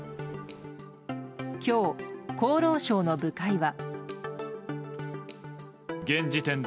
今日、厚労省の部会は。